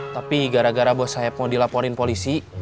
tapi gara gara bos saya mau dilaporin polisi